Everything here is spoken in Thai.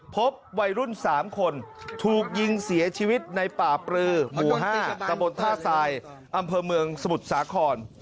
พบวัยรุ่น๓คนถูกยิงเสียชีวิตในป่าปลือหมู่๕ตะบนท่าทรายอำเภอเมืองสมุทรสาคร